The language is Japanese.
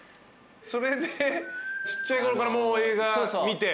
それでちっちゃいころからもう映画見て？